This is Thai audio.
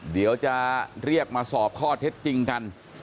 เดี๋ยวจะเรียกมาสอบข้อเท็จจริงกัน